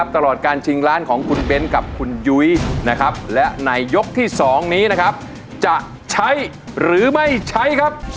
ตั้งสติดีค่ะแล้วก็ต้องทำให้ได้